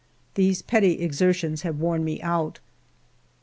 These petty exertions have worn me out.